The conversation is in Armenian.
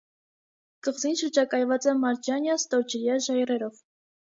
Կղզին շրջակայված է մարջանյա ստորջրյա ժայռերով։